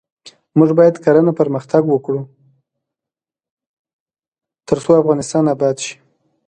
موږ باید کرنه پرمختګ ورکړو ، ترڅو افغانستان اباد شي.